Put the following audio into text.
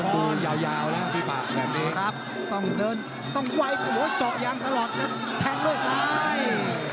แม่เสียบเข้าไปถึงจอดโอเคเลย